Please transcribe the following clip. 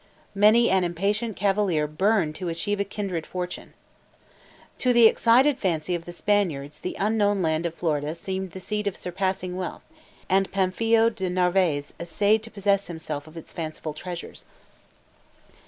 Many an impatient cavalier burned to achieve a kindred fortune. To the excited fancy of the Spaniards the unknown land of Florida seemed the seat of surpassing wealth, and Pamphilo de Narvaez essayed to possess himself of its fancied treasures.